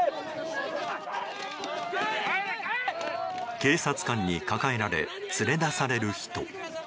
警察官に抱えられ連れ出される人。